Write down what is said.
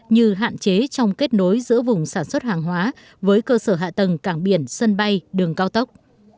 như hạn chế trong kết nối giữa vùng sản xuất hàng hóa với cơ sở hạ tầng cảng biển sân bay đường cao tốc